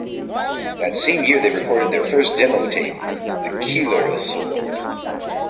That same year, they recorded their first demo tape, "The Killera Sword".